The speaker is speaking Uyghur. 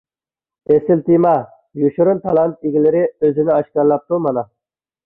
ئېسىل تېما! يوشۇرۇن تالانت ئىگىلىرى ئۆزىنى ئاشكارىلاپتۇ مانا.